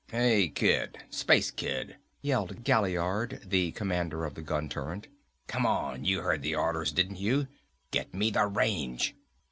"Hey, Kid! Space Kid!" yelled Gaillard, the commander of the gun turret. "Come on! You heard the orders, didn't you? Get me the range."